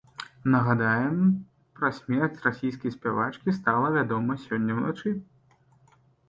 Нагадаем, пра смерць расійскай спявачкі стала вядома сёння ўначы.